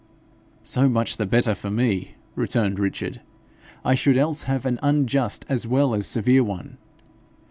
'So much the better for me!' returned Richard; 'I should else have an unjust as well as severe one.